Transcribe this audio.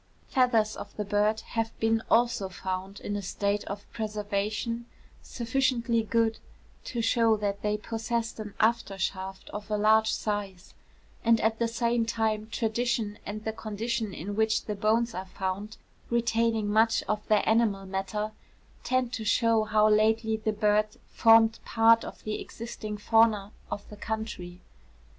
Feathers of the bird have been also found in a state of preservation sufficiently good to shew that they possessed an after shaft of a large size; and at the same time tradition and the condition in which the bones are found, retaining much of their animal matter, tend to shew how lately the bird formed part of the existing fauna of the country.